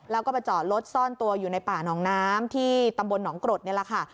แล้วก็ไปจอดรถซ่อนตัวอยู่ในป่าหนองน้ำที่ตำบลหนองกรดนี่แหละค่ะ